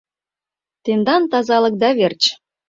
Тендан тазалыкда верч!